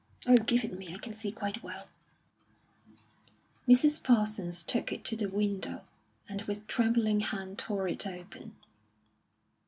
"Oh, give it me; I can see quite well." Mrs. Parsons took it to the window, and with trembling hand tore it open.